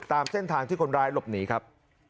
ตามเส้นทางที่คนร้ายหลบหนีครับ